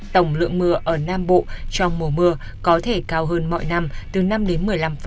tổng lượng mưa ở nam bộ trong mùa mưa có thể cao hơn mọi năm từ năm đến một mươi năm